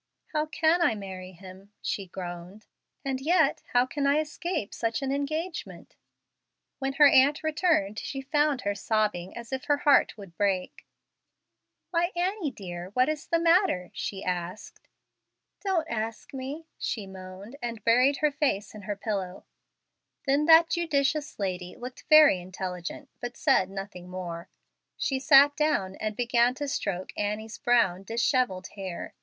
"How can I marry him?" she groaned; "and yet how can I escape such an engagement?" When her aunt returned she found her sobbing as if her heart would break. "Why, Annie, dear, what is the matter?" she asked. "Don't ask me," she moaned, and buried her face in her pillow. Then that judicious lady looked very intelligent, but said nothing more. She sat down and began to stroke Annie's brown, dishevelled hair.